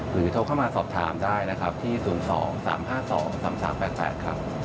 โทรเข้ามาสอบถามได้นะครับที่๐๒๓๕๒๓๓๘๘ครับ